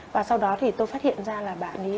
và sau đó thì tôi phát hiện ra là bạn ấy